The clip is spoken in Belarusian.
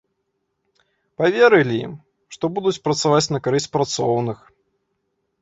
Паверылі ім, што будуць працаваць на карысць працоўных.